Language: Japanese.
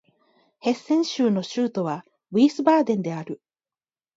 ヘッセン州の州都はヴィースバーデンである